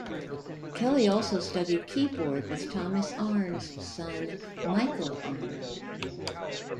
Kelly also studied keyboard with Thomas Arne's son, Michael Arne.